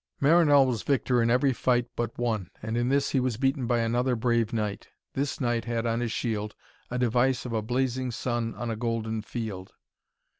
Marinell was victor in every fight but one, and in this he was beaten by another brave knight. This knight had on his shield a device of a blazing sun on a golden field.